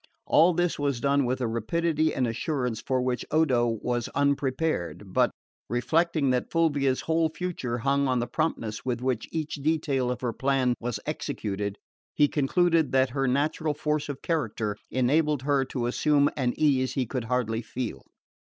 All this was done with a rapidity and assurance for which Odo was unprepared; but, reflecting that Fulvia's whole future hung on the promptness with which each detail of her plan was executed, he concluded that her natural force of character enabled her to assume an ease she could hardly feel.